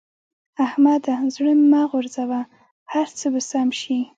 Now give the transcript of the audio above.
احمده! زړه مه غورځوه؛ هر څه به سم شي.